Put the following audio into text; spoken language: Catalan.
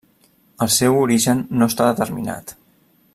El seu origen no està determinat.